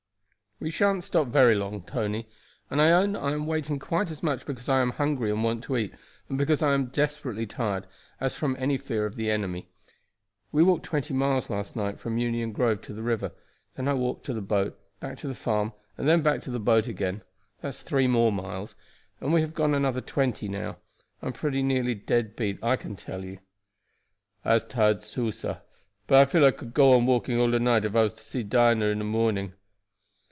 "We sha'n't stop very long, Tony; and I own I am waiting quite as much because I am hungry and want to eat, and because I am desperately tired, as from any fear of the enemy. We walked twenty miles last night from Union Grove to the river, then I walked to the boat, back to the farm and then back to the boat again that's three more miles and we have gone another twenty now. I am pretty nearly dead beat, I can tell you." "I'se tired too, sah; but I feel I could go on walking all night if I was to see Dinah in de morning."